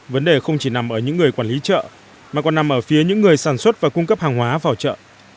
vấn đề không chỉ nằm ở những người quản lý chợ mà còn nằm ở phía những người sản xuất và cung cấp hàng hóa vào chợ